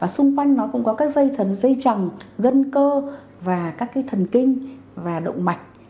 xung quanh nó cũng có các dây thần dây chẳng gân cơ các thần kinh và động mạch